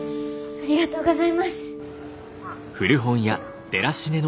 ありがとうございます。